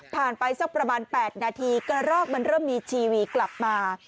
ไปสักประมาณ๘นาทีกระรอกมันเริ่มมีทีวีกลับมา